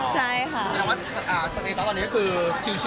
สังเกต่อตอนนี้ก็คือชิว